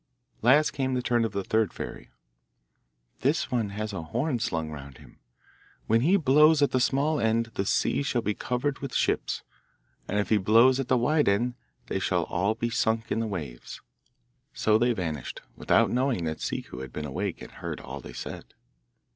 Last came the turn of the third fairy. 'This one has a horn slung round him. When he blows at the small end the seas shall be covered with ships. And if he blows at the wide end they shall all be sunk in the waves.' So they vanished, without knowing that Ciccu had been awake and heard all they said.